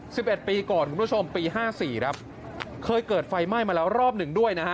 สิบเอ็ดปีก่อนคุณผู้ชมปีห้าสี่ครับเคยเกิดไฟไหม้มาแล้วรอบหนึ่งด้วยนะฮะ